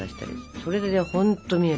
それで本当見える。